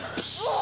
あ！